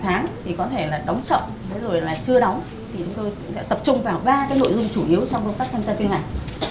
thì chúng tôi sẽ tập trung vào ba cái nội dung chủ yếu trong công tác thanh tra chuyên ngành